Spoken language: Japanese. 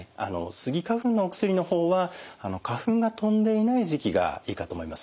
スギ花粉のお薬の方は花粉が飛んでいない時期がいいかと思います。